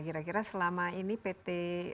kira kira selama ini pt